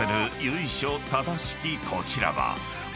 こちらは］